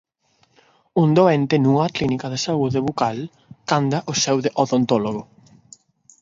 Un doente nunha clínica de saúde bucal canda o seu odontólogo.